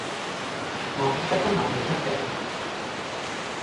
我覺得今晚要通頂